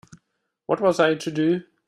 What was I to do?